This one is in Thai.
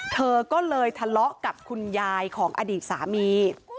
เธอก็เลยทะเลาะกับคุณยายของอดีตสามี